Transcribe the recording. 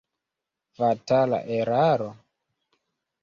Fatala eraro?